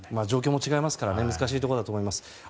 状況も違いますから難しいところだと思います。